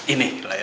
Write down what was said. ini lah ya